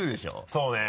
そうね。